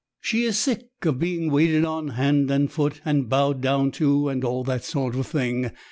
She is sick of being waited on hand and foot and bowed down to and all that sort of thing.